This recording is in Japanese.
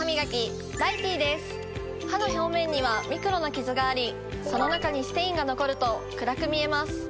歯の表面にはミクロなキズがありその中にステインが残ると暗く見えます。